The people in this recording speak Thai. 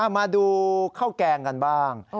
มาดูข้าวแกงกันบ้าง